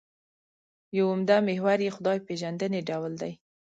یو عمده محور یې خدای پېژندنې ډول دی.